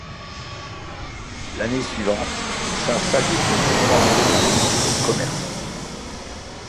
L'année suivante, il s'installe définitivement à Bordeaux comme commerçant.